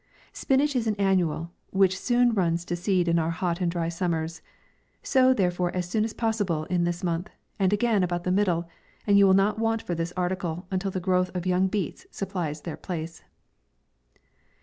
Spinach is an annual, which soon runs to seed in our hot and dry summers. Sow, therefore, as soon as possible, in this month, and again about the middle, and you will not want for this article, until the growth of young beets supplies their place.